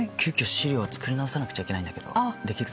資料を作り直さなくちゃいけないんだけどできる？